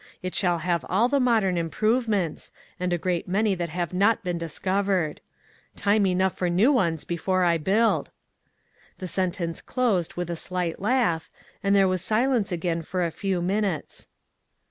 It shall have all the modern improvements, and a great many that have not been discovered. Time enough for new ones before I build !" The sentence closed with a slight laugh, and there was silence again for a few minutes.